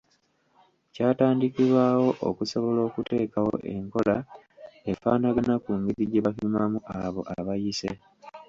Kyatandikibwawo okusobola okuteekawo enkola efaanagana ku ngeri gye bapimamu abo abayise.